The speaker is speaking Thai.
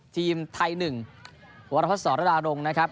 ทีมไทย๑วรพัฒรดารงค์นะครับ